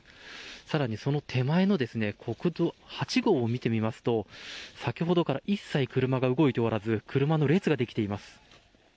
更にその手前の国道８号を見てみますと先ほどから一切車が動いておらず車の列ができています。